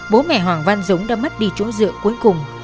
bố mẹ hoàng văn dũng đã mất đi chủ dựa cuối cùng